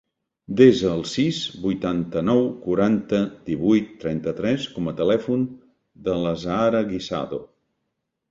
Desa el sis, vuitanta-nou, quaranta, divuit, trenta-tres com a telèfon de l'Azahara Guisado.